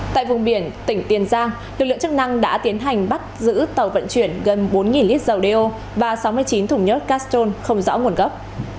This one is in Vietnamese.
tại vùng biển tỉnh tiền giang lực lượng chức năng đã tiến hành bắt giữ tàu vận chuyển gần bốn lít dầu đeo và sáu mươi chín thùng nhớt castrol không rõ nguồn gốc